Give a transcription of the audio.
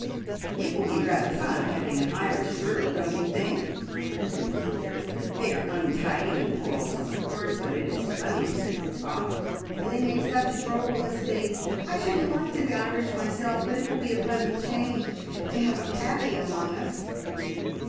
"It will be rather fun having an Irish girl, don't you think?" number two suggested. "They are untidy and quarrelsome, of course, but it is funny to hear them talk, and they make such droll mistakes. I shouldn't like to be Irish myself, but it will be a pleasant change to have a Paddy among us!"